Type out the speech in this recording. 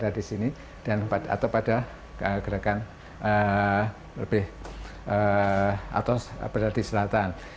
jadi ini adalah peristiwa yang lebih atau berada di selatan